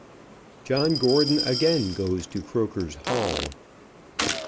JOHN GORDON AGAIN GOES TO CROKER'S HALL.